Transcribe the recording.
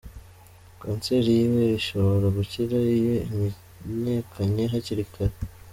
Kanseri y’ibere ishbora gukira iyo imenyekanye hakiri kare.